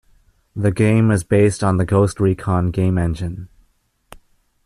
The game is based on the "Ghost Recon" game engine.